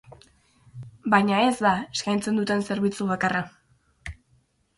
Baina ez da eskainten duten zerbitzu bakarra.